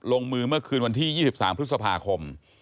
ลงมือเมื่อคืนวันที่๒๓พฤษภาคม